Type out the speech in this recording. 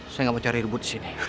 saya ga mau cari rebut disini